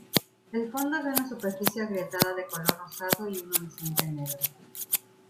El fondo es de una superficie agrietada de color rosado y un horizonte negro.